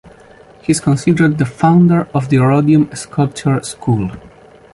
He is considered the founder of the Rhodium Sculpture School.